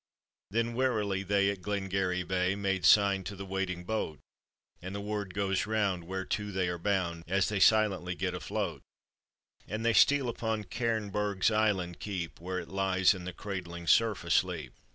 Then warily they at Glengarry Bay Make sign to the waiting boat, And the word goes round whereto they are bound, As they silently get afloat; And they steal upon Cairnburg's island keep, Where it lies in the cradling surf asleep.